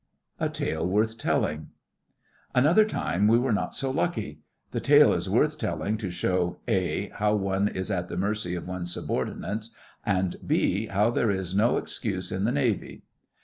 A TALE WORTH TELLING Another time we were not so lucky. The tale is worth telling to show (a) how one is at the mercy of one's subordinates, and (b) how there is no excuse in the Navy.